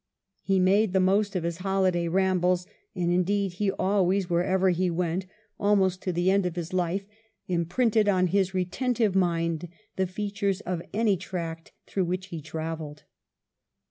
He made the most of his holiday rambles, and, indeed, he always, wherever he went, almost to the end of his WELLINGTON chap. life, imprinted on his retentive mind the features of any tract through which he travelled.